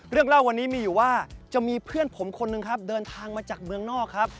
เล่าวันนี้มีอยู่ว่าจะมีเพื่อนผมคนหนึ่งครับเดินทางมาจากเมืองนอกครับ